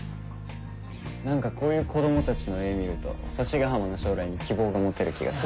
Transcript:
何かこういう子供たちの絵見ると星ヶ浜の将来に希望が持てる気がする。